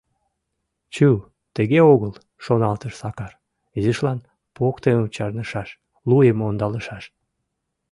«Чу, тыге огыл, — шоналтыш Сакар, — изишлан поктымым чарнышаш, луйым ондалышаш...